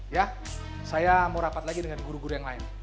ya saya mau rapat lagi dengan guru guru yang lain